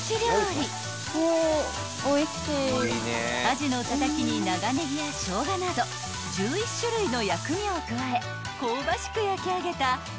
［アジのたたきに長ネギやショウガなど１１種類の薬味を加え香ばしく焼き上げた］